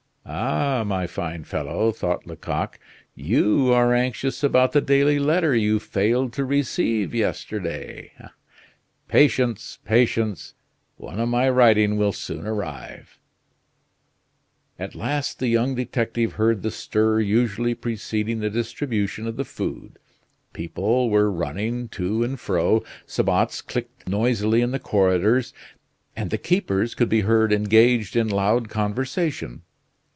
"Ah! my fine fellow," thought Lecoq, "you are anxious about the daily letter you failed to receive yesterday. Patience, patience! One of my writing will soon arrive." At last the young detective heard the stir usually preceding the distribution of the food. People were running to and fro, sabots clicked noisily in the corridors, and the keepers could be heard engaged in loud conversation.